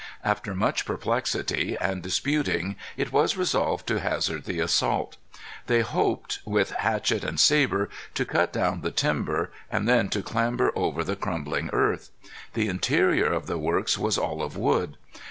After much perplexity and disputing it was resolved to hazard the assault. They hoped with hatchet and sabre to cut down the timber, and then to clamber over the crumbling earth. The interior of the works was all of wood.